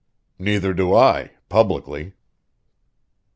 "Neither do I publicly."